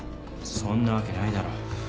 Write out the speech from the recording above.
そんなわけないだろ。